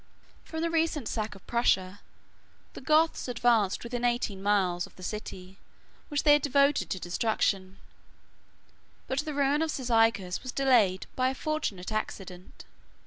From the recent sack of Prusa, the Goths advanced within eighteen miles 116 of the city, which they had devoted to destruction; but the ruin of Cyzicus was delayed by a fortunate accident.